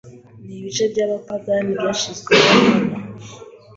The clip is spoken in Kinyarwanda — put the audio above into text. nibice byabapagani byashyizweho nkana